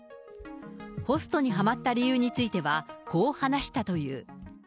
ホストにハマった理由については、こう話したという。